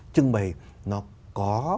trưng bày nó có